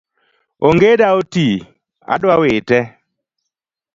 Ongeda otii , adwa wite